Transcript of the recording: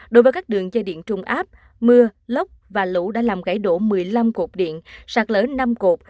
đối với các đường dây điện trung áp mưa lốc và lũ đã làm gãy đổ một mươi năm cột điện sạt lở năm cột